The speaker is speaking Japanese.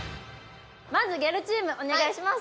まずギャルチームお願いします